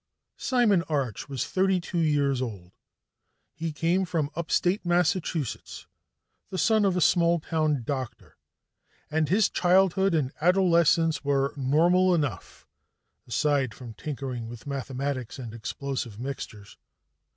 Simon Arch was thirty two years old. He came from upstate Massachusetts, the son of a small town doctor, and his childhood and adolescence were normal enough aside from tinkering with mathematics and explosive mixtures.